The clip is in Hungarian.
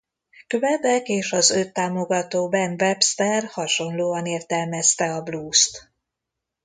Quebec és az őt támogató Ben Webster hasonlóan értelmezte a bluest.